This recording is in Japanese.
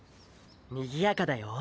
にぎやかだよー。